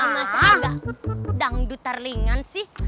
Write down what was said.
masanya gak dangdutarlingan sih